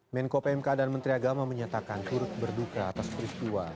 menko pmk dan menteri agama menyatakan turut berduka atas peristiwa